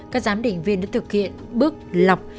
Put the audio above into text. các giám định viên đã thực hiện bước lọc